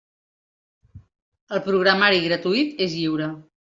El programari gratuït és lliure.